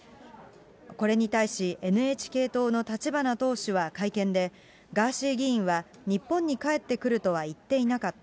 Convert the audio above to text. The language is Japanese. これに対し、ＮＨＫ党の立花党首は会見で、ガーシー議員は日本に帰ってくるとは言っていなかった。